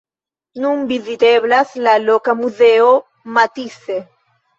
Nun viziteblas la loka muzeo Matisse.